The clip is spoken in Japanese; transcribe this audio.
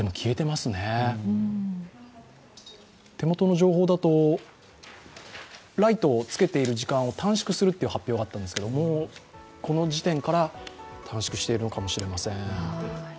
手元の情報だと、ライトをつけている時間を短縮するという発表があったんですが、もう、この時点から短縮しているのかもしれません。